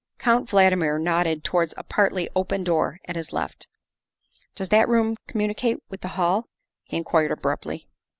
Count Valdmir nodded towards a partly open door at his left. ' Does that room communicate with the hall?" he inquired abruptly.